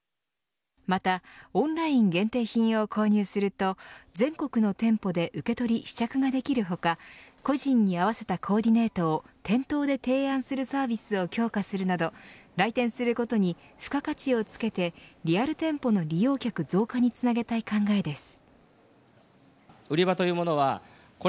またオンライン限定品を購入すると全国の店舗で受け取り、試着ができる他個人に合わせたコーディネートを店頭で提案するサービスを強化するなど来店することに付加価値をつけてリアル店舗の利用客増加につなげたい考えです。